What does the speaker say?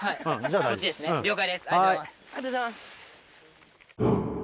ありがとうございます。